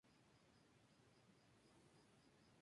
En su nueva etapa ha cambiado a "La Poderosa del Norte".